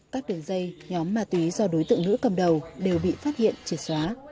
các đường dây nhóm ma túy do đối tượng nữ cầm đầu đều bị phát hiện triệt xóa